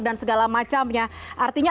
dan segala macamnya artinya